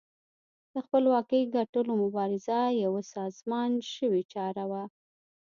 د خپلواکۍ ګټلو مبارزه یوه سازمان شوې چاره وه.